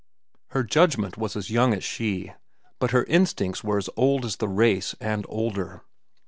Her judgment was as young as she, but her instincts were as old as the race and older.